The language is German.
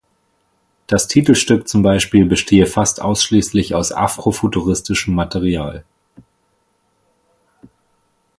Das Titelstück zum Beispiel bestehe fast ausschließlich aus afrofuturistischem Material.